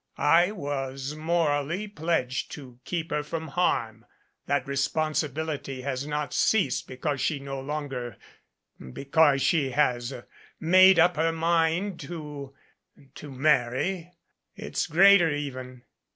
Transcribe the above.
I was morally pledged to keep her from harm. That responsibility has not ceased because she no longer because she has made up her mind to to marry. It's greater even.